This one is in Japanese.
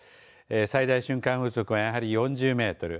最大瞬間風速はやはり４０メートル